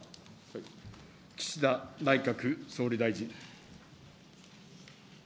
岸田内閣総理大臣。